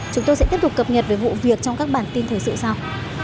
chúng tôi sẽ tiếp tục cập nhật về vụ việc trong các bản tin thời sự sau